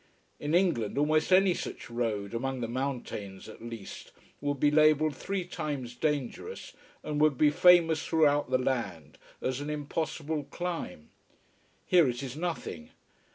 In England almost any such road, among the mountains at least, would be labelled three times dangerous and would be famous throughout the land as an impossible climb. Here it is nothing.